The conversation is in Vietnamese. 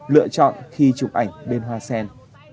lựa chọn khi chụp ảnh bên hoa sen